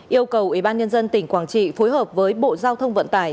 yêu cầu ủy ban nhân dân tỉnh quảng trị phối hợp với bộ giao thông vận tải